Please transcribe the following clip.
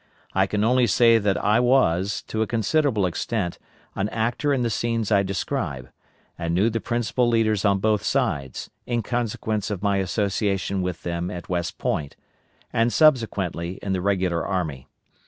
I can only say that I was, to a considerable extent, an actor in the scenes I describe, and knew the principal leaders on both sides, in consequence of my association with them at West Point, and, subsequently, in the regular army.